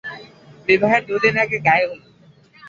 বিবাহের দুদিন আগে গায়ে হলুদ।